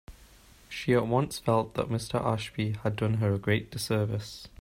She at once felt that Mr. Ashby had done her a great disservice.